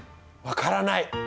分からない。